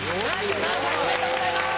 ７７歳おめでとうございます！